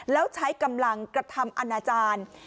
แล้วใช้กำลังกระทำอนาจารย์